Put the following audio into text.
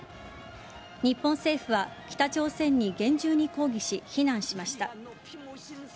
日本政府は北朝鮮に厳重に抗議し非難しました。